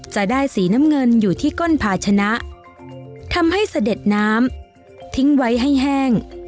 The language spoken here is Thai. จะได้สีน้ำเงินอยู่ที่ก้นภาชนะทำให้เสด็จน้ำทิ้งไว้ให้แห้ง